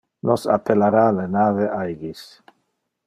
Nos appellara le nave Aegis.